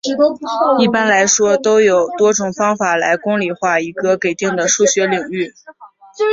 一般来说都有多种方法来公理化一个给定的数学领域。